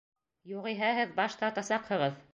Юғиһә, һеҙ баш тартасаҡһығыҙ!